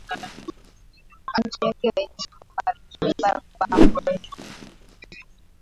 auti yake rais wa marekani barack obama